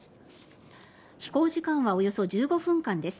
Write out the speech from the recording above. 飛行時間はおよそ１５分間です。